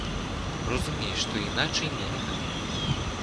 Разумеў, што іначай нельга.